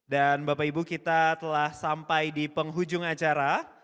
dan bapak ibu kita telah sampai di penghujung acara